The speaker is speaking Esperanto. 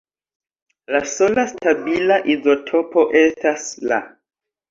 La sola stabila izotopo estas La.